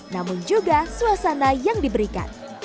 namun juga suasana yang diberikan